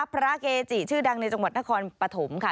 พระเกจิชื่อดังในจังหวัดนครปฐมค่ะ